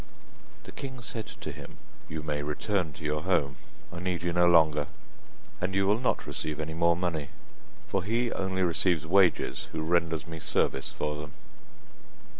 The king said to him: 'You may return to your home, I need you no longer, and you will not receive any more money, for he only receives wages who renders me service for them.